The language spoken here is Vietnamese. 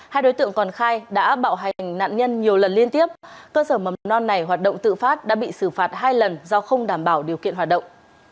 hai đối tượng còn khai đã bạo hành nạn nhân nhiều lần liên tiếp cơ sở mầm non này hoạt động tự phát đã bị xử phạt hai lần do không đảm bảo điều kiện hoạt động